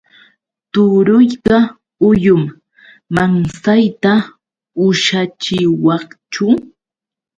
Turuyqa huyum. ¿Mansayta ushachiwaqchu?